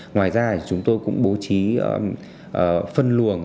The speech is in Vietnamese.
ngoài ra chúng tôi cũng bố trí phân luồng